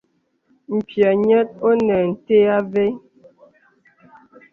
M̀pyɛ̌ nyɛ̄t onə nte avə.